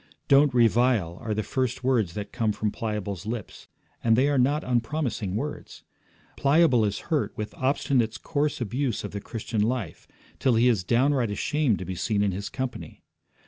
'Don't revile,' are the first words that come from Pliable's lips, and they are not unpromising words. Pliable is hurt with Obstinate's coarse abuse of the Christian life, till he is downright ashamed to be seen in his company.